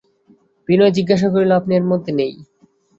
বিনয় জিজ্ঞাসা করিল, আপনি এর মধ্যে নেই?